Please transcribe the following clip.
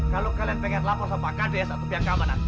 kalau kalian ingin lapor sama kds atau pihak keamanan